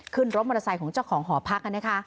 ขึ้นรถมอเตอร์ไซค์ของเจ้าของหอพัก